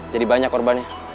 jadi banyak korbannya